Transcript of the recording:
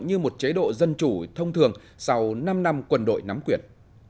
như một chế độ dân chủ thông thường sau năm năm quân đội nắm quyền